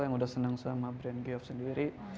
yang udah senang sama brand geof sendiri